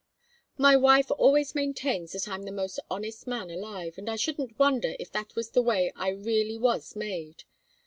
"My wife always maintains that I'm the most honest man alive, and I shouldn't wonder if that was the way I really was made.